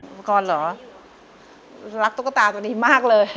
มังกรเหรอรักตุ๊กตาตัวนี้มากเลย